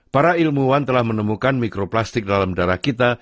para ilmuwan telah menemukan mikroplastik dalam darah kita